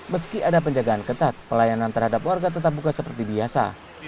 meski ada penjagaan ketat pelayanan terhadap warga tetap buka seperti biasa